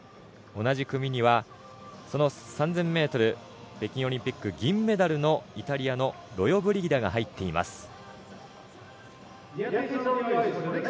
同じ組には、３０００ｍ北京オリンピック銀メダルのイタリアのロヨブリギダが入っています。